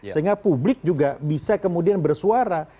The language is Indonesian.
sehingga publik juga bisa kemudian bersuara